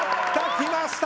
きました！